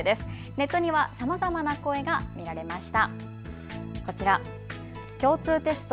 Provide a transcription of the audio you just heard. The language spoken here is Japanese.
ネットにはさまざまな声が見られました。